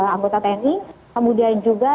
anggota tni kemudian juga